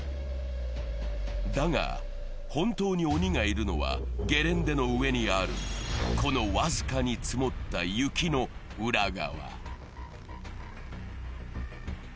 だが、本当に鬼がいるのはゲレンデの上にあるこの、僅かに積もった雪の裏側。